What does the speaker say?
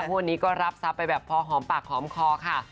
งวดนี้ก็รับทรัพย์ไปแบบพอหอมปากหอมคอค่ะ